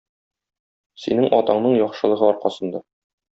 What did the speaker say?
Синең атаңның яхшылыгы аркасында.